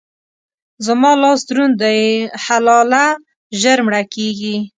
زما لاس دروند دی؛ حلاله ژر مړه کېږي.